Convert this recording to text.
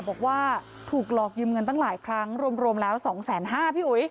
บอกว่าถูกหลอกยืมเงินตั้งหลายครั้งรวมแล้ว๒๕๐๐บาทพี่อุ๋ย